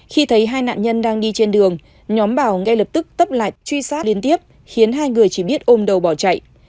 khi thấy hai nạn nhân đang đi trên đường nhóm bảo ngay lập tức tấp lại truy sát liên tiếp khiến hai người chỉ biết ôm đầu bỏ chạy